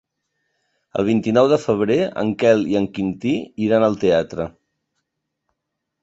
El vint-i-nou de febrer en Quel i en Quintí iran al teatre.